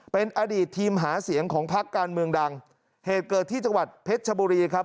เป็นอดีตทีมหาเสียงของพักการเมืองดังเหตุเกิดที่จังหวัดเพชรชบุรีครับ